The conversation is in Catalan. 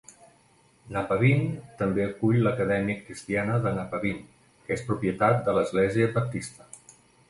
Napavine també acull l'Acadèmia cristiana de Napavine, que és propietat de l'Església baptista.